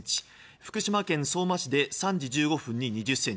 福島県相馬市で３時１５分に２０ｃｍ